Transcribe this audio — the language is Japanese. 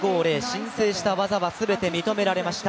申請した技は全て認められました。